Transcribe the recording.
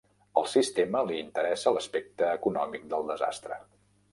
Al sistema li interessa l'aspecte econòmic del desastre.